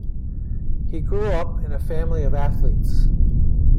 He grew up in a family of athletes.